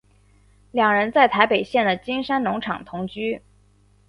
两人在台北县的金山农场同居。